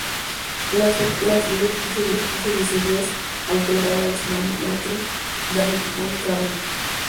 La sede es Saint-Luc-de-Vincennes aunque la ciudad más poblada es Notre-Dame-du-Mont-Carmel.